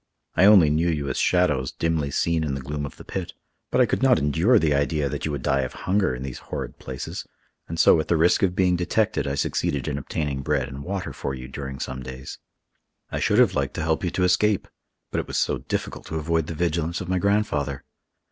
I only knew you as shadows dimly seen in the gloom of the pit, but I could not endure the idea that you would die of hunger in these horrid places; and so, at the risk of being detected, I succeeded in obtaining bread and water for you during some days. I should have liked to help you to escape, but it was so difficult to avoid the vigilance of my grandfather.